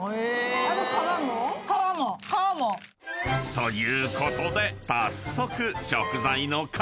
［ということで早速］